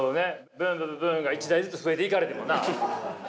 ブンブブブンが１台ずつ増えていかれてもな。